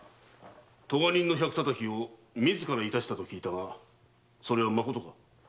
科人の百たたきを自ら致したと聞いたがそれはまことか？